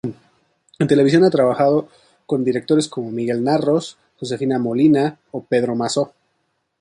En televisión ha trabajado con directores como Miguel Narros, Josefina Molina o Pedro Masó.